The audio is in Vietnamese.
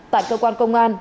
tại cơ quan công an